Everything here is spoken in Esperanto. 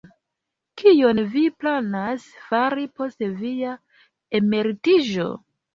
Kion vi planas fari post via emeritiĝo?